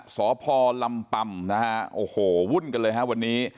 สพลำปำโอ้โหวุ่นกันเลยครับวันนี้